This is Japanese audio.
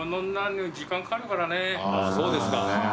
そうですか。